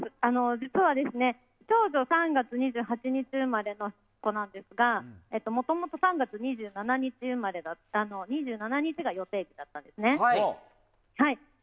実は長女３月２８日生まれの子なんですがもともと３月２７日が予定日だったんですね。